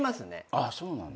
あっそうなんだ。